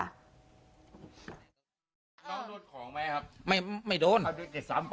น้องโดนของไหมครับ